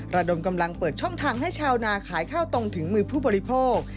ระดมกำลังเปิดช่องทางให้ชาวนาขายข้าวตรงถึงมือผู้บริโภค